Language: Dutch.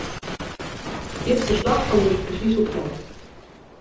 Dit verslag kwam dus precies op tijd.